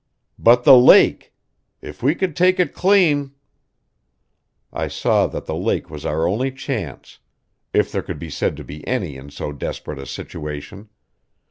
"But the lake! If we could take it clean " I saw that the lake was our only chance, if there could be said to be any in so desperate a situation.